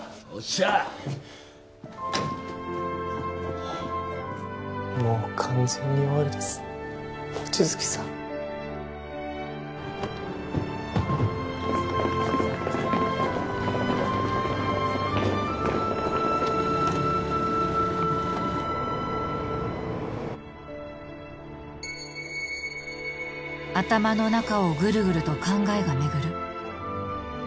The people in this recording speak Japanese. ゃーもう完全に終わりです望月さん頭の中をグルグルと考えが巡る